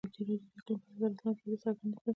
ازادي راډیو د اقلیم په اړه د راتلونکي هیلې څرګندې کړې.